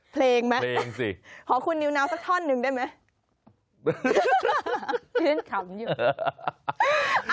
เพลงไหมขอคุณนิ้วนาวสักท่อนหนึ่งได้ไหม